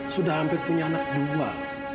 sudah hampir punya anak dua